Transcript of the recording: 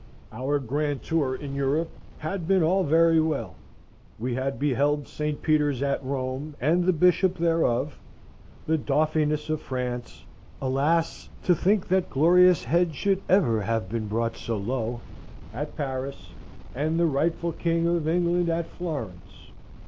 Our grand tour in Europe had been all very well. We had beheld St. Peter's at Rome, and the Bishop thereof; the Dauphiness of France (alas, to think that glorious head should ever have been brought so low!) at Paris; and the rightful King of England at Florence.